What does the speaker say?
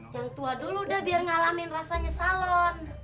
yang tua dulu udah biar ngalamin rasanya salon